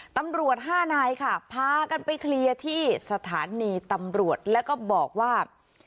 ตำรวจ๕นายค่ะพากันไปเคลียร์ที่สถานีตำรวจแล้วก็บอกว่า